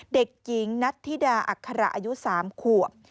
เด็กหญิงนัทธิดาอัคระอายุ๓ขวบ